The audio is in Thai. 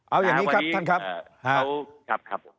เอาอย่างนี้ครับท่านครับ